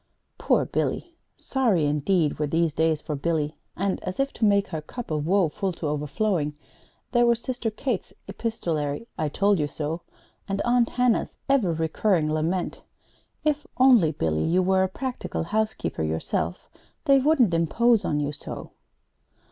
Poor Billy! Sorry indeed were these days for Billy; and, as if to make her cup of woe full to overflowing, there were Sister Kate's epistolary "I told you so," and Aunt Hannah's ever recurring lament: "If only, Billy, you were a practical housekeeper yourself, they wouldn't impose on you so!"